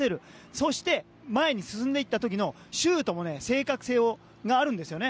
そして、前に進んでいった時のシュートにも正確性があるんですよね。